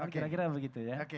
kira kira begitu ya